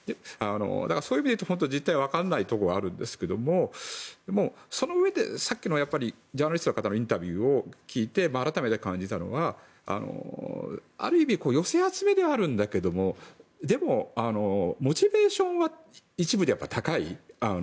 そういう意味で言うと、実態は分からないところがありますがそのうえでさっきのジャーナリストの方のインタビューを聞いて改めて感じたのは、ある意味寄せ集めではあるんだけどもでも、モチベーションは一部では高い。